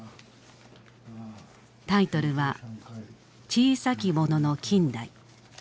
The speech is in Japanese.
タイトルは「小さきものの近代」。